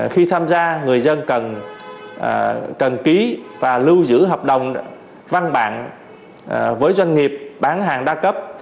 khi tham gia người dân cần ký và lưu giữ hợp đồng văn bản với doanh nghiệp bán hàng đa cấp